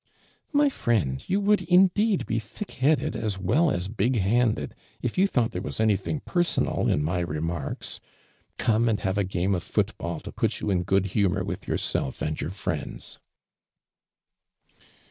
" My frien<l, you would indeed be thick headed as well as big handed if you thought there was anything personal 'n\ my remarks. Come and have a game of foot" bill to put you in good lumior with yourself and your friends